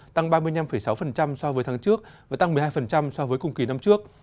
tăng ba mươi năm sáu so với tháng trước và tăng một mươi hai so với cùng kỳ năm trước